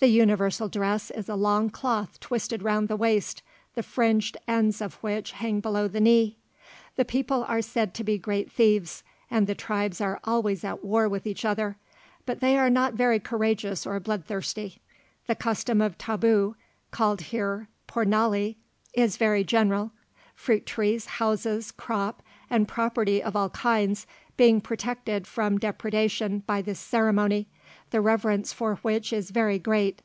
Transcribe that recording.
The universal dress is a long cloth twisted round the waist, the fringed ends of which hang below the knee. The people are said to be great thieves, and the tribes are always at war with each other, but they are not very courageous or bloodthirsty. The custom of "tabu," called here "pomali," is very general, fruit trees, houses, crop, and property of all kinds being protected from depredation by this ceremony, the reverence for which is very great.